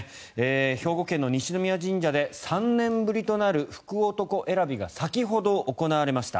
兵庫県の西宮神社で３年ぶりとなる福男選びが先ほど行われました。